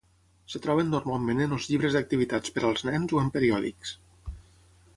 Es troben normalment en els llibres d'activitats per als nens o en periòdics.